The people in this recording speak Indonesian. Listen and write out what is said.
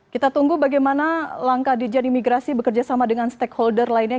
kita tunggu bagaimana langkah dijen imigrasi bekerja sama dengan stakeholder lainnya